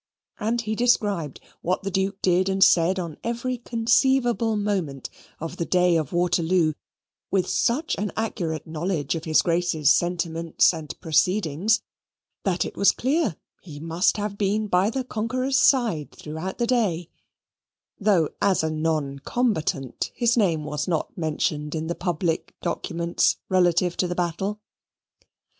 And he described what the Duke did and said on every conceivable moment of the day of Waterloo, with such an accurate knowledge of his Grace's sentiments and proceedings that it was clear he must have been by the conqueror's side throughout the day; though, as a non combatant, his name was not mentioned in the public documents relative to the battle.